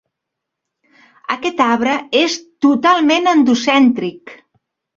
Aquest arbre és totalment endocèntric.